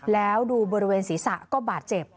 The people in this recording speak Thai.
แล้วดูบริเวณศีรษะก็บาดเจ็บ